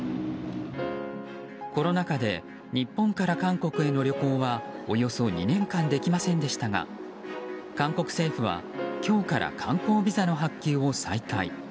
コロナ禍で日本から韓国への旅行はおよそ２年間できませんでしたが韓国政府は今日から観光ビザの発給を再開。